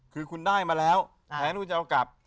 คือคุณได้มาแล้วแค่เอาไปกลับ